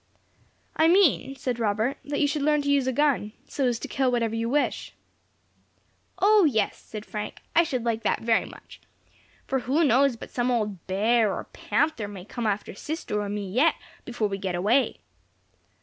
"I mean," said Robert, "that you should learn to use a gun, so as to kill whatever you wish." "O, yes," said Frank, "I should like that very much. For who knows but some old bear or panther may come after sister or me yet, before we get away."